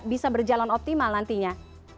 bisa berjalan optimal nantinya